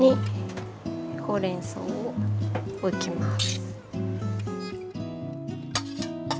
ほうれんそうを置きます。